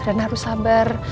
rena harus sabar